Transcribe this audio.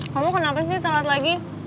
kamu kenapa sih telat lagi